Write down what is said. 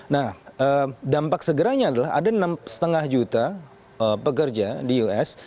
nah dampak segeranya adalah ada enam lima juta pekerja di us